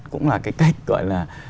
cũng là cái cách gọi là